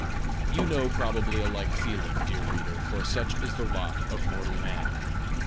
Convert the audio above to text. You know probably a like feeling, dear reader, for such is the lot of mortal man.